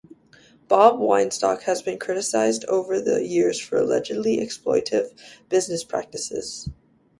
Bob Weinstock has been criticized over the years for allegedly exploitive business practices.